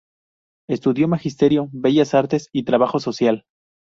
Estudió Magisterio, Bellas Artes y Trabajo Social.